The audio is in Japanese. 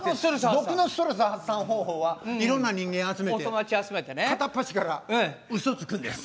僕のストレス発散方法はいろんな人間集めて片っ端から嘘つくんです。